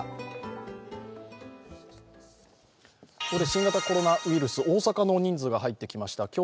ここで新型コロナウイルス、大阪の人数が入ってきました。